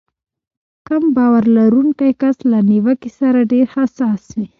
کم باور لرونکی کس له نيوکې سره ډېر حساس وي.